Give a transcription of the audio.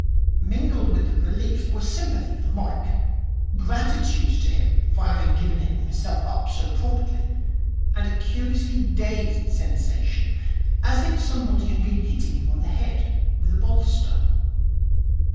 Mingled with the relief were sympathy for Mike, gratitude to him for having given himself up so promptly, and a curiously dazed sensation, as if somebody had been hitting him on the head with a bolster.